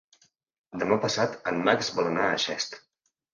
Demà passat en Max vol anar a Xest.